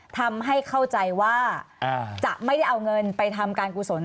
ทำให้เข้าใจว่าจะไม่ได้เอาเงินไปทำการกุศล